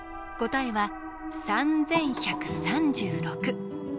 答えは３１３６。